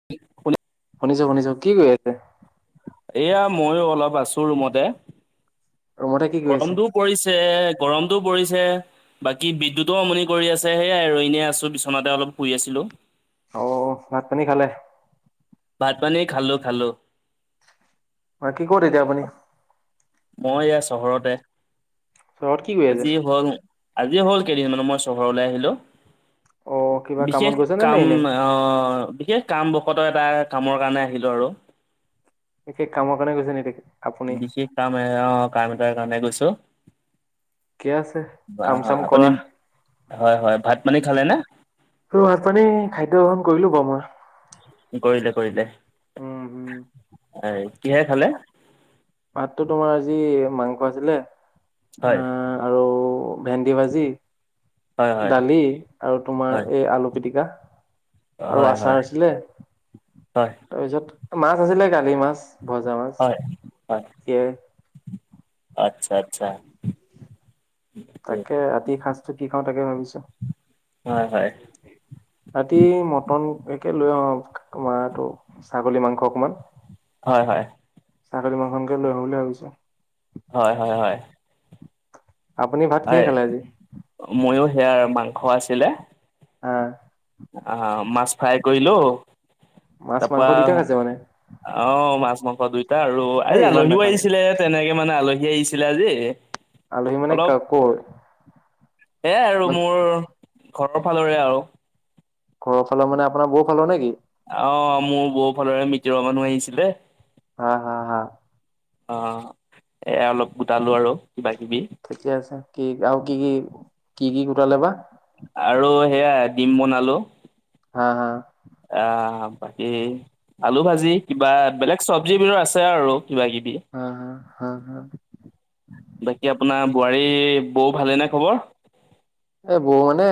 [inaudible] শুনিছো শুনিছো, কি কৰি আছে? এয়া ময়ো অলপ আছো ৰুমত, ৰুমতে কি কৰি আছে গৰমটো পৰিছে, গৰমতটো পৰিছে। বাকী বিদ্যুতো আমনি কৰি আছে, সেই এনেই আছোঁ বিছনাতে অলপ শুই আছিলো। অ, ভাত পানী খালে? ভাত পানী খালো খালো। বাকী ক'ত এতিয়া আপুনি? মই এইয়া চহৰতে, চহৰত কি কৰি আছে আজি হ'ল মোৰ। আজি হ'ল কেইদিনমান মই চহৰলৈ আহিলো, অ কিবা কামত বিশেষ গৈছে নে নে কাম এনেই অঁ অঁ বিশেষ কাম বশতঃ এটা কামৰ কাৰণে আহিলো আৰু। বিশেষ কামৰ কাৰণে গৈছে নেকি? আপুনি বিশেষ কাম এ অঁ কাম এটাৰ কাৰণে গৈছো। ঠিকে আছে বা কাম চাম আপুনি কৰা হয় হয় ভাত পানী খালে নে? ভাত পানী খাদ্য গ্ৰহণ কৰিলো বাৰু মই। কৰিলে কৰিলে, উম এ কিহেৰে খালে? ভাততো তোমাৰ আজি মাংস আছিলে, হয় আহঁ আৰু ভেন্দি ভাজি। হয় হয় দালি আৰু তোমাৰ হয় এই আলু পিতিকা। আৰু হয় হয় আচাৰ আছিলে। হয় তাৰপিছত মাছ আছিলে কালি মাছ ভজা মাছ, হয় হয় সেইয়াই। আচ্ছা আচ্ছা। তাকে ৰাতি সাজটো কি খাওঁ তাকে ভাবিছো। হয় হয়। ৰাতি মটন একে লৈ আহোঁ মাৰটো। ছাগলী মাংস অকমান। হয় হয়। ছাগলী মাংসক লৈ আহোঁ বুলি ভাবিছোঁ। হয় হয় হয়। আপুনি ভাত কিহেৰে খালে আজি? মইও সেয়া মাংস আছিলে। হা আঁহ মাছ ফ্ৰাই কৰিলো, মাছ তাৰ মাংস দুইটাই খাইছে মানে? পৰা অঁ মাছ মাংস দুইটা আৰু হেই আজি ইমান আলহীও নাখাব। আহিছিলে, তেনেকে মানে আলহী আহিছিলে আজি। আলহী মানে কা ক'ৰ? এয়াই আৰু মোৰ ঘৰৰ ফালৰে আৰু। ঘৰৰ ফালৰ মানে আপোনাৰ বৌৰ ফালৰ নে কি? অ মোৰ বৌফালৰে মিতিৰৰ মানুহ আহিছিলে। হা হা হা। অহ, এ অলপ গোটালো আৰু কিবা-কিবি। ঠিকে আছে। কি আৰু কি কি কি কি গোটালে বা? আৰু সেয়াই ডিম বনালো। হা হা। আহ বাকী আলু ভাজি কিবা বেলেগ চব্জি বিধৰ আছে আৰু কিবা-কিবি। অ হ, হ হ। বাকী আপোনাৰ বোৱাৰী বৌ ভালে নে খবৰ? এই বৌ মানে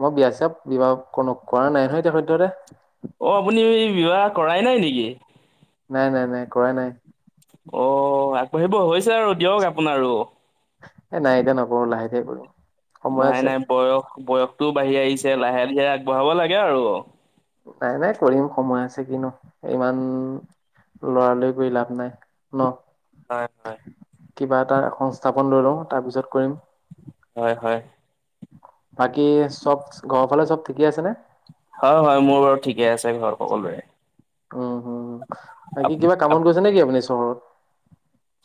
মই বিয়া-চিয়া বিবাহ কোনো কৰা নাই নহয় এতিয়া সদ্যহতে। অ আপুনি বিবাহ কৰাই নাই নেকি? নাই নাই নাই কৰা নাই। অ আগবাঢ়িব হৈছে আৰু দিয়ক আপোনাৰো। এ নাই এতিয়া নকৰো লাহেকে কৰিম। সময় নাই আছে। নাই বয়স বয়সটোও বাঢ়ি আহিছে লাহে ধিৰে আগবঢ়াব লাগে আৰু। নাই-নাই কৰিম সময় আছে কিনো। ইমান লৰা-লৰি কৰি লাভ নাই। ন? হয় হয় কিবা এটা সংস্থাপন লৈ লওঁ তাৰপিছত কৰিম। হয় হয়। বাকী চব ঘৰৰ ফালে চব ঠিকে আছে নে? হয় হয় মোৰ বাৰু ঠিকে আছে ঘৰ সকলোৰে। উম হম, বাকি কিবা কামত গৈছে নেকি আপুনি চহৰত?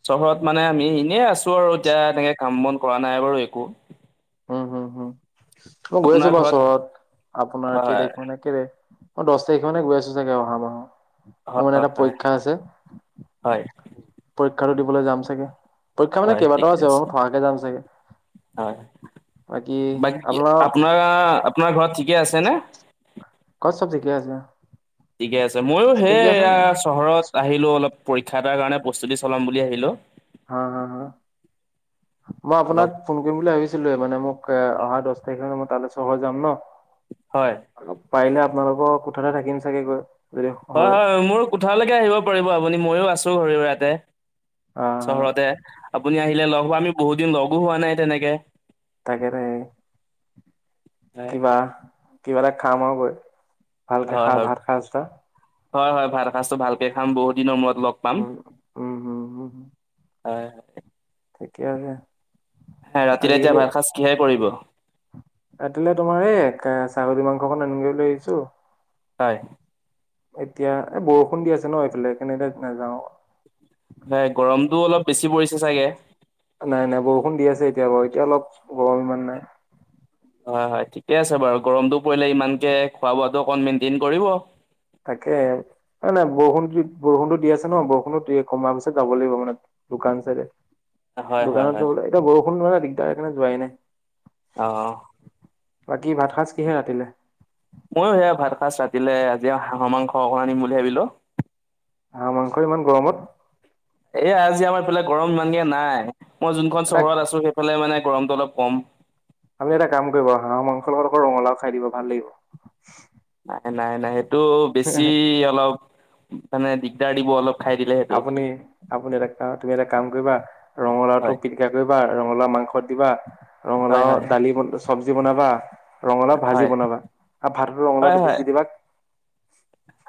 চহৰত মানে আমি এনেই আছো আৰু এতিয়া এনেকে কাম বন কৰা নাই বাৰু একো। উম হুম হুম, মই গৈ আছো আপোনাৰ বাৰু ঘৰত চহৰত আপোনাৰ কেই হয় তাৰিখ মানে কেই তাৰিখ, মই দছ তাৰিখে মানে গৈ আছো চাগে অহা মাহৰ। মোৰ হয় মানে হয় এটা হয় পৰীক্ষা আছে। হয় পৰীক্ষাটো দিবলৈ যাম চাগে। পৰীক্ষা মানে হয় কেইবাটাও ঠিকে আছে বাৰু, থকাকে যাম চাগে। হয়, বাকী বাকী আপোনাৰ আপনাৰা আপোনাৰ ঘৰত ঠিকে আছে নে? ঘৰত চব ঠিকে আছে। ঠিকে আছে। মইয়ো সেই ঠিকে আছে এয়া মানে? চহৰত আহিলো অলপ পৰীক্ষা এটাৰ কাৰণে প্ৰস্তুতি চলাম বুলি আহিলোঁ। হা হা হা? মই আপোনাক অলপ ফোন কৰিম বুলি ভাবিছিলোয়ে মানে মোক এ অহা দছ তাৰিখে মানে মই তালে চহৰ যাম ন। হয়। অলপ পাৰিলে আপোনালোকৰ কোঠাতে থাকিম চাগে গৈ। হয় হয় মোৰ কোঠালৈকে আহিব পাৰিব আপুনি ময়ো আছো আৰু ইয়াতে আহ চহৰতে। আপুনি আহিলে লগ পাম আমি বহুত দিন লগো হোৱা নাই তেনেকে। তাকে [unintelligible] হয় কিবা, কিবা এটা খাম আৰু গৈ। ভালকে হয় খা হয় ভাত খাচ এটা। হয় হয় ভাত সাজটো ভালকে খাম বহুত দিনৰ মূৰত লগ পাম। উম উম হম হম হয় হয়। ঠিকে আছে। হে ৰাতিলে এতিয়া ভাল সাঁজ কিহে কৰিব? ৰাতিলৈ তোমাৰ এই ছাগলী মাংসখন আনোগৈ বুলি আহিছো হয় এতিয়া, এই বৰষুণ দি আছে ন এইফালে সেইকাৰণে এতিয়া নাযাও নাই গৰমতটো অলপ বেছি পৰিছে চাগে নাই নাই বৰষুণ দি আছে এতিয়াবাৰু, এতিয়া অলপ গৰম ইমান নাই হয় হয় ঠিকে আছে বাৰু গৰমতটো পৰিলে ইমানকে খোৱা বোৱাতো অকণমান মেইনটেইন কৰিব তাকে মানে বৰষুণ দি, বৰষুণো দি আছে ন বৰষুণো কমাৰ পিছত যাব লাগিব মানে দোকান চাইডে হয় হয় হয় দোকানত বোলে এতিয়া বৰষুণ নহয় নে দিগদাৰ সেই কাৰণে যোৱাই নাই অ' বাকী ভাতসাজ কিহে ৰাতিলে? ময়ো সেয়া ভাতসাচ ৰাতিলে আজি হাঁহৰ মাংস অকণমান আনিম বুলি ভাবিলো হাঁহ মাংস ইমান গৰমত? এই আজি আমাৰ ইফালে গৰম ইমানকে নাই। মই যোনখন এটা চহৰত আছোঁ সেইফালে মানে গৰমটো অলপ কম। আমি এটা কাম কৰিবা হাঁহ মাংস লগত আকৌ ৰঙালাও খাই দিবা ভাল লাগিব নাই-নাই-নাই সেইটো বেছি অলপ, মানে দিগদাৰ দিব অলপ খাই দিলে সেইটো আপুনি, আপুনি এটা, তুমি এটা কাম কৰিবা ৰঙালাওটো হয় পিটিকা কৰিবা ৰঙালাও মাংসত দিবা, হয় ৰঙালাও হয় দালি চাবজি বনাবা ৰঙালাও ভাজি হয় বনাবা আৰু ভাততো ৰঙালাও হয় দোপিজ হয় দি দিবা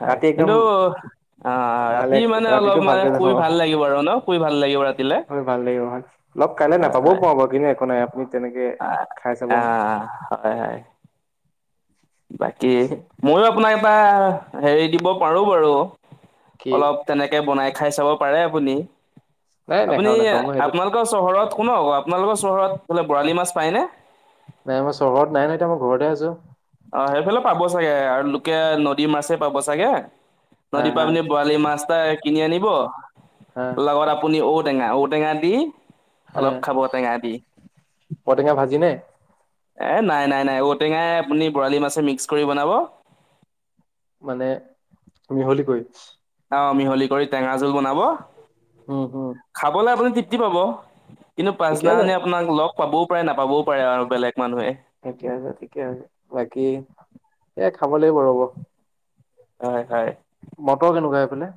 হয়। ৰাতি একদম কিন্তু অ' ভালে ৰাতি মানে ৰাতিটো অলপ মানে ভালকে শুই যাব ভাল লাগিব আৰু ন, শুই ভাল লাগিব ৰাতিলে হয় ভাল লাগিব হয় লগ কাইলৈ হয় নাপাবও হয় পাৰোঁ বাৰু, কিন্তু একো নাই আপুনি তেনেকৈ আহ খাই চাব। আহ হয় হয় বাকী ময়ো আপোনাক এটা হেৰি দিব পাৰো বাৰু, কি অলপ তেনেকে বনাই খাই চাব পাৰে আপুনি। নাই আপুনি নাখাও নাখাও মই সেইটোত আপোনালোকৰ চহৰত [unintelligible] আপোনালোকৰ চহৰত বোলে বৰালি মাছ পায় নে? নাই মই চহৰত নাই নহ এতিয়া, মই ঘৰতে আছো অ' সেইফালে পাব চাগে আৰু লোকাল নদীৰ মাছেই পাব চাগে হা নদীপা হা আপুনি বৰালি মাছ এটা কিনি আনিব। হা লগত আপুনি ঔটেঙা ঔ ঔটেঙা দি, অলপ খাব ঔটেঙা দি ঔটেঙা ভাজি নে? এ নাই-নাই-নাই ঔটেঙাই আপুনি বৰালি মাছে মিক্স কৰি বনাব। মানে মিহলি কৰি অ মিহলি কৰি টেঙা জোল বনাব। উম হম খাবলৈ আপুনি তৃপ্তি পাব। কিন্তু ঠিকে আছে পাছদিনাখনে আপোনাক লগ পাবও পাৰে, নাপাবও পাৰে আৰু বেলেগ মানুহে। ঠিকে আছে, ঠিকে আছে। বাকী, এ খাব লাগিব ৰব হয় হয় বতৰ কেনেকুৱা এইফালে?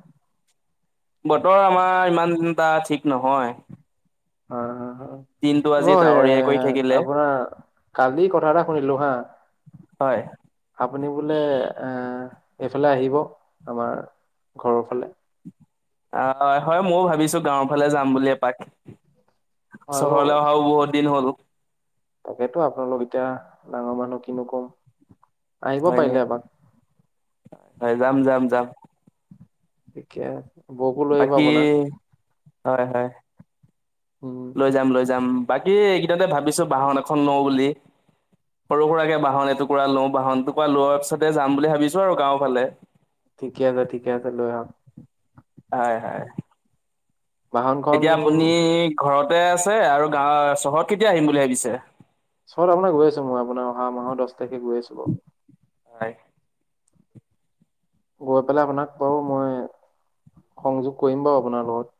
বতৰ আমাৰ ইমানটা ঠিক নহয়। দিনটো অ'। আজি মই এ ডাৱৰীয়া কৰি থাকিলে আপোনাৰ, কালি কথা এটা শুনিলো হা হয় আপুনি বোলে এইফালে আহিব, আমাৰ ঘৰৰ ফালে। অ' হয়-হয় ময়ো ভাবিছো গাঁৱৰ ফালে যাম বুলি এপাক। অ চহৰলে অহাও বহুত দিন হ'ল তাকেতো আপোনালোক এতিয়া ডাঙৰ মানুহ কিনো কম। আহিব হয় নি, পাৰিলে এপাক হয় যাম-যাম-যাম। ঠিকেই বাকি হয় হয় উম লৈ যাম লৈ যাম বাকী এইকেইদিনতে ভাবিছো বাহন এখন লও বুলি সৰু সুৰাকে বাহন এটুকুৰা লও বাহন এটুকুৰা লোৱাৰ পিছতে যাম বুলি ভাবিছো আৰু গাঁও ফালে ঠিকে আছে ঠিকে আছে লৈ আহক হয় হয় বাহনখন এতিয়া আপুনি ঘৰতে আছে আৰু গাঁৱ চহৰত কেতিয়া আহিম বুলি ভাবিছে? চহৰত আপোনাৰ গৈ আছো মই আপোনৰ অহা মাহ দহ তাৰিখে গৈ আছো বাও। হয় গৈ পেলাই আপোনাক বাৰু মই সংযোগ কৰিম বাৰু আপোনাৰ লগত।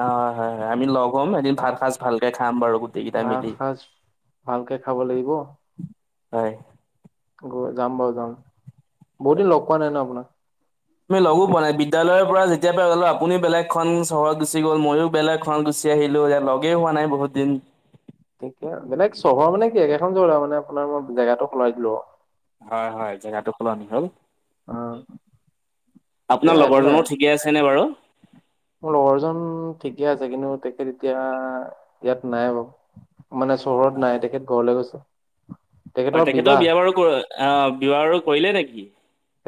হয় হয় হয় হয় আমি লগ হ'ম এদিন ভাত সাজ ভালকে খাম বাৰু। গোটেই কেইটা ভাত মিলি। সাজ ভালকে খাব লাগিব। হয় নাই গৈ যাম বাৰু যাম বহুত দিন লগ পোৱা নাই ন আপোনাক তুমি লগো পোৱা বিদ্যালয়ৰ পৰা যেতিয় পৰা গ'লো আপুনিও বেলেগখন চহৰত গুচি গ'ল মইও বেলেগ খন গুচি আহিলো এতিয়া লগে হোৱা নাই বহুত দিন বেলেগ চহৰ মানে কি একেখন চহৰতে আও আৰু মানে আপোনাৰ মই জেগাটো সলাই দিলো আও। হয় হয় জেগাটো সলনি হ'ল। অ সেইটোয়ে আপোনাৰ একো লগৰ নাই জনো ঠিকে আছেনে বাৰু? মোৰ লগৰ জন ঠিকে আছে। কিন্তু তেখেত তেতিয়া ইয়াত নাই বাৰু মানে চহৰত নাই তেখেত ঘৰলে গৈছে। হয় তেখেতৰ তেখেততেও বিবাহ বিয়া বাৰু অ বিয়া বাৰু কৰিলে নেকি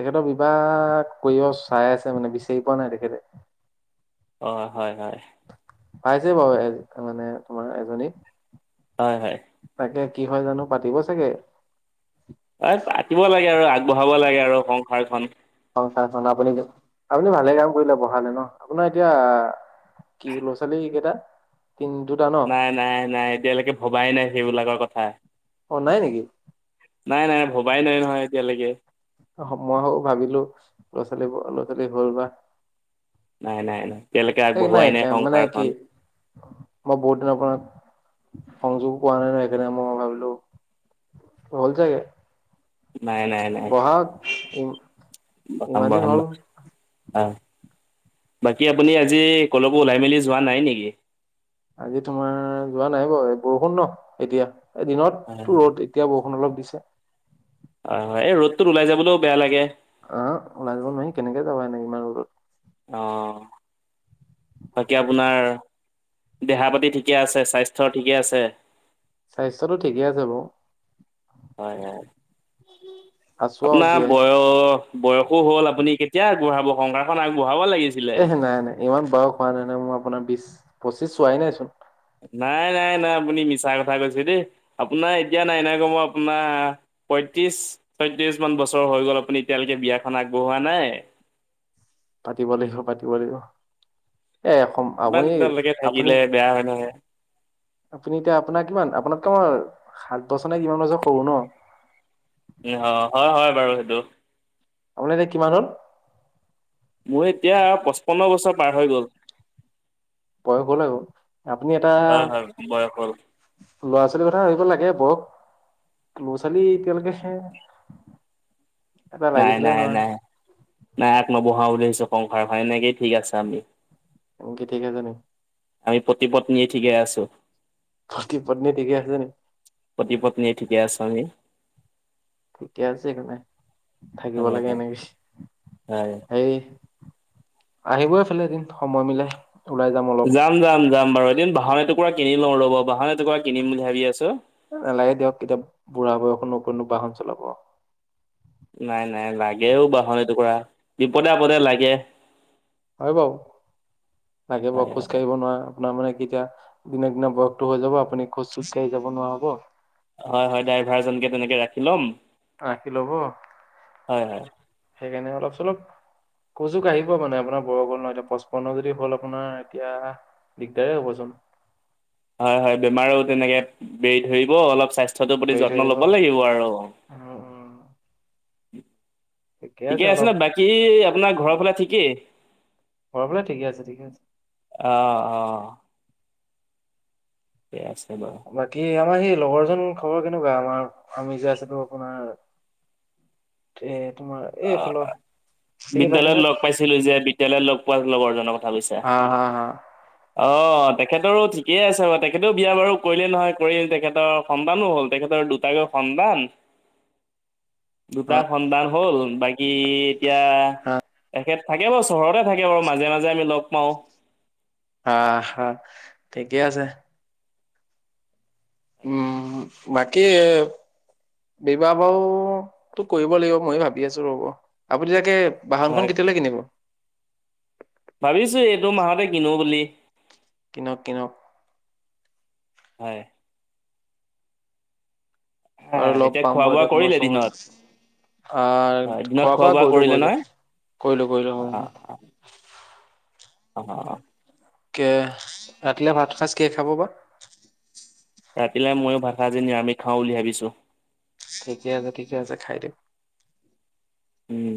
তেখেতৰ বিবাহ কৰিব চাই আছে মানে বিচাৰি পোৱা নাই তেখেতে অঁ হয় হয় পাইছে বাৰু মানে তোমাৰ এজনী হয় হয় তাকে কি হয় জানো পাতিব চাগে। পাতিব লাগে আৰু আগবঢ়াব লাগে আৰু সংসাৰখন সংসাৰখন আপুনি আপুনি ভালে কাম কৰিলে বঢ়ালে ন আপোনাৰ এতিয়া কি ল'ৰা ছোৱালী কেইটা তি দুটা ন? নাই নাই নাই এতিয়ালৈকে ভবাই নাই সেইবিলাকৰ কথা। অ নাই নেকি নাই নাই ভবাই নাই নহয় এতিয়ালৈকে মই ভাবিলো ল'ৰা ছোৱালীৰ ল'ৰা ছোৱালী হ'ল বা নাই নাই নাই এতিয়ালৈকে এই আগবঢ়োৱাই নাই মানে কি সংসাৰখন মই বহুত দিনৰ পৰা সংযোগ পোৱা নাই ন সেইকাৰণে মই ভাবিলো। হ'ল চাগে নাই বহাগ [inaudible] হাম্বা হাম্বা অ বাকী আপুনি আজি কলৈকো ওলাই মেলি যোৱা নাই নেকি আজি তোমাৰ যোৱা নাই বাৰু বৰষুণ ন এতিয়া এ দিনত হয় ৰদ এতিয়া বৰষুণ অলপ দিছে হয় হয় এই ৰ'দটোত ওলাই যাবলৈও বেয়া লাগে অ ওলাই যাব নোৱাৰি কেনেকে যাবা ইমান লগত অ বাকী আপোনাৰ দেহা পাতি ঠিকে আছে স্বাস্থ্যৰ ঠিকে আছে স্বাস্থ্য টো ঠিকে আছে বাৰু হয় হয় আছো আৰু আপোনাৰ জীয়াই বয়স অ বয়সো হল আপুনি কেতিয়া আগবঢ়াব সংসাৰখন আগবঢ়াব লাগিছিল এহ নাই নাই ইমান বয়স হোৱা নাই নহয় মোৰ আপোনাৰ বিশ পঁচিশ চোৱাই নাইচোন নাই নাই নাই আপুনি মিছা কথা কৈছে দেই আপোনাৰ এতিয়া নাই নাই কমেও আপোনাৰ পয়ত্ৰিশ ছয়ত্ৰিশ মান বছৰ হৈ গ'ল আপুনি এতিয়ালৈকে বিয়াখন আগবঢ়োৱা নাই পাতিব লাগিব পাতিব লাগিব এ ইমান আপুনি দিনলৈকে আপুনি থাকিলে বেয়া হয় নহয় আপুনি এতিয়া আপোনাৰ কিমান আপোনাত্কে মই সাত বছৰ নে কিমান বছৰ সৰু ন অঁ হয় হয় বাৰু সেইটো আপোনৰ এতিয়া কিমান হল মোৰ এতিয়া পঁচপন্ন বছৰ পাৰ হৈ গ'ল বয়স গলে আৰু আপুনি এটা হয় হয় বয়স হ'ল ল'ৰা ছোৱালীৰ কথা ভাবিব লাগে বক ক্ল'জ আজি এতিয়াহালৈক নাই নাই নাই নাই আ নবহাওঁ বুলি ভাবিছো সংসাৰখন এনেকেই ঠিক আছে আমি কি ঠিকে আছেনো আমি প্ৰতিপত্নীয়ে ঠিকে আছো পতি পত্নীয়ে ঠিকে আছে নি পতিপত্নীয়ে ঠিকে আছো আমি ঠিকে আছে সেইকাৰণে থাকিব হয় লাগে হয় এনেকৈ হয় হে আহিব ইফালে এদিন সময় মিলাই ওলাই যাম অলপ যাম যাম যাম বাৰু এদিন বাহনএটুকুৰা কিনি লওঁ ৰ'ব বাহন এটকুৰা কিনিম বুলি ভাবি আছো নালাগে দিয়ক এতিয়া বুঢ়া বয়সত কতনো বাহন চলাব নাই নাই লাগেও বাহন এটুকুৰা বিপদে আপদে লাগে হয় বাৰু লাগিব হয় খোজ কাঢ়িব নোৱাৰা আপোনাৰ মানে কেতিয়া দিনক দিনে বয়সতটো হৈ যাব আপুনি খোজ চোজ কাঢ়ি যাব নোৱাৰ হব হয় হয় ড্ৰাইভাৰজনকে তেনেকে ৰাখি ল'ম আশী ল'ব হয় হয় সেইকাৰণে অলপ চলপ খোজোঁ কাঢ়িব মানে আপোনাৰ বয়স হল ন এতিয়া পঁচপন্ন যদি হ'ল আপোনাৰ এতিয়া দিগদাৰে হ'বচোন হয় হয় বেমাৰো তেনেকে বেৰি ধৰিব অলপ স্বাস্থ্য তো প্ৰতি বাঢ়ি যত্ন থাকিব লব লাগিব আৰু উম উম ঠিকে আছে ন বাকী আপোনাৰ ঘৰৰ ফালে ঠিকেই ঘৰলে ফালে ঠিকে আছে ঠিকে আছে অ অ ঠিকেই আছে বাৰু বাকী আমাৰ সেই লগৰ জন খবৰ কেনেকুৱা আমাৰ আমি যে আছিলো আপোনাৰ এ তোমাৰ অঁ এইফাল বিদ্যালয়ত লগ পাইছিলো যে বিদ্যালয়ত লগ পোৱা লগৰজনৰ কথা কৈছা উম হুম হুম অ তেখেতৰো ঠিকেই আছে বাৰু তেখেতও বিয়া বাৰু কৰিলেই নহয় কৰি তেখেতৰ সন্তানো হ'ল তেখেতৰ দু টাকৈ সন্তান অ [unintelligible] দুটা সন্তান হ'ল বাকী এতিয়া এখেত থাকে বাৰু চহৰতে থাকে বাৰু মাজে মাজে আমি লগ পাওঁ। আ হা ঠিকে আছে। উম বাকী বিবাহ বাৰুতো কৰিব লাগিব মইও ভাবি আছো ৰব, আপুনি তাকে হয় বাহনখন কেতিয়ালে কিনিব? ভাবিছো এইটো মাহতে কিনো বুলি। কিনক কিনক। হয়। আৰু হয় লগ এতিয়া পাম খোৱা বাৰু বোৱা দিয়ক মই কৰিলে দিনত চহৰ হয় আহ দিনত খোৱা বোৱা কৰিলো কৰিলে কৰিলো নহয় কৰিলো কৰিলো হয়। অ অ অ। কে ৰাতিলে ভাতসাঁজ কিহে খাব বা? ৰাতিলে ময়ো ভাত আজি নিৰামিষ খাওঁ বুলি ভাবিছো। ঠিকে আছে ঠিকে আছে খায় দিয়ক। উম।